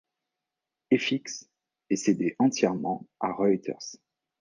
Effix est cédé entièrement à Reuters.